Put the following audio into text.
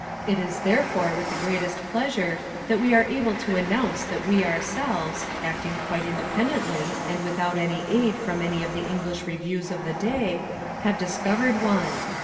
It is therefore with the greatest pleasure that we are able to announce that we ourselves, acting quite independently and without aid from any of the English reviews of the day, have discovered one.